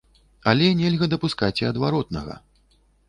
Але нельга дапускаць і адваротнага!